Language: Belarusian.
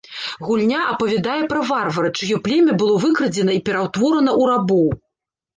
Гульня апавядае пра варвара, чыё племя было выкрадзена і пераўтворана ў рабоў.